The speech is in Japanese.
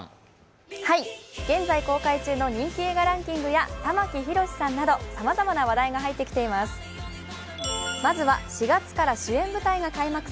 現在、公開中の人気映画ランキングや玉木宏さんなどさまざまな話題が入ってきています。